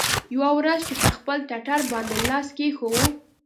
يوه ورځ يې پر خپل ټټر باندې لاس کښېښوو.